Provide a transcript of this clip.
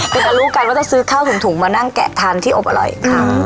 ก็จะรู้กันว่าจะซื้อข้าวถุงมานั่งแกะทานที่อบอร่อยค่ะ